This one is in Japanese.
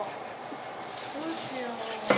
どうしよう。